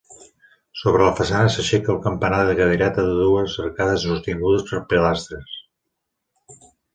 Sobre la façana s'aixeca el campanar de cadireta de dues arcades sostingudes per pilastres.